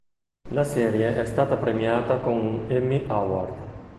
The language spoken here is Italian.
La serie è stata premiata con un Emmy Award.